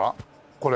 これ。